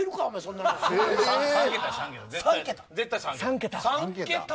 絶対、３桁。